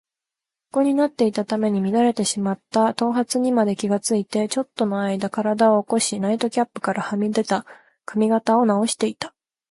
横になっていたために乱れてしまった頭髪にまで気がついて、ちょっとのあいだ身体を起こし、ナイトキャップからはみ出た髪形をなおしていた。